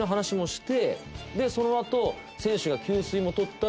その後。